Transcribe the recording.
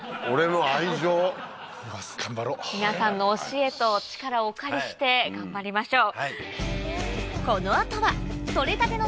皆さんの教えと力をお借りして頑張りましょう。